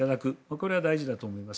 これは大事だと思います。